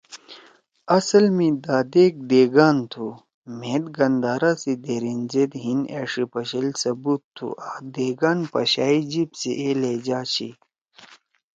اصل می دادیک دیگان تُھو مھید گندھارا سی دھیریِن زید ہیِن أݜی پشیل ثبوت تُھو آں دیگان پشائی جیِب سی اے لہجہ چھی۔